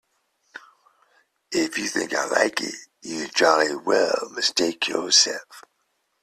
If you think I like it, you jolly well mistake yourself.